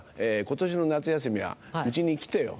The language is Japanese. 今年の夏休みは家に来てよ